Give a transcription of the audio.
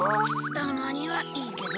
たまにはいいけど。